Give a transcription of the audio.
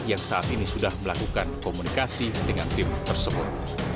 yang saat ini sudah melakukan komunikasi dengan tim tersebut